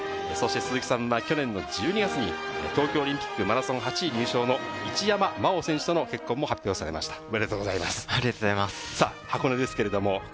そして鈴木さんは去年の１２月に東京オリンピック、マラソン８位入賞の一山麻緒選手との結婚も発表されました。